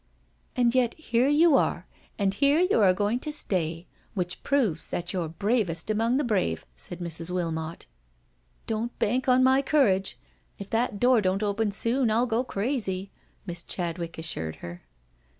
" And yet here you are and here you are going to stay, which proves that you're bravest among the brave," said Mrs. Wilmot. " Don't bank on my courage. If that door don't open soon I'll go crazy," Miss Chadwick assured her.